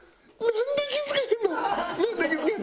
なんで気付けへんの？